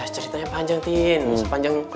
ceritanya panjang tin